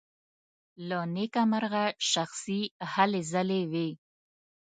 له نېکه مرغه شخصي هلې ځلې وې.